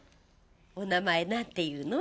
お名前なんていうの？